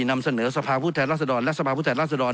นำเสนอสภาพลุทธแหล่ศดรและสภาพลุทธแหล่ศดร